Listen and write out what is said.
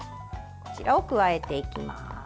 こちらを加えていきます。